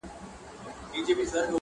اچيل یې ژاړي، مړ یې پېزوان دی.